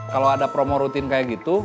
kalau ada promo rutin kayak gitu